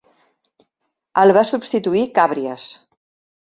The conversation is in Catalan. El va substituir Càbries.